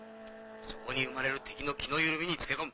そこに生まれる敵の気の緩みにつけ込む。